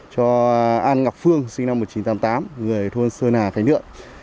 cho an ngọc phương sinh năm một nghìn chín trăm tám mươi tám người thôn sơn hà khánh